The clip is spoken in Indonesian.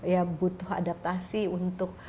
ya butuh adaptasi untuk